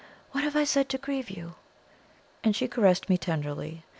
What have I said to grieve you?" And she caressed me tenderly.